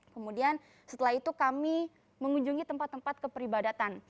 kemudian setelah itu kami mengunjungi tempat tempat keperibadatan